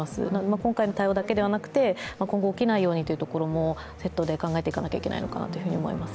今回の対応だけではなくて今後起きないようにというところもセットで考えていかないといけないのかなと思います。